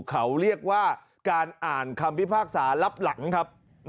เขาเรียกว่าการอ่านคำพิพากษารับหลังครับ